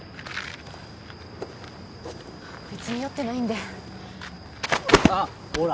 べつに酔ってないんであっほら